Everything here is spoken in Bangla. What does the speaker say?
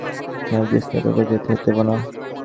নার্গিসকে এক-একা যেতে দেব না।